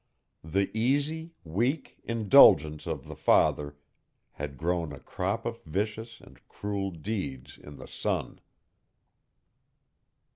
The easy, weak, indulgence of the father had grown a crop of vicious and cruel deeds in the son.